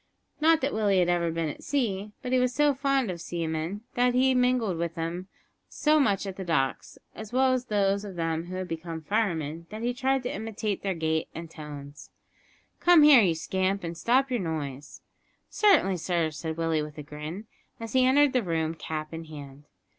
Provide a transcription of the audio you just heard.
Not that Willie had ever been at sea, but he was so fond of seamen, and had mingled with them so much at the docks, as well as those of them who had become firemen, that he tried to imitate their gait and tones. "Come here, you scamp, and stop your noise." "Certainly, sir," said Willie, with a grin, as he entered the room, cap in hand.